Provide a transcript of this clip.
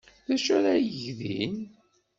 D acu ara yeg din?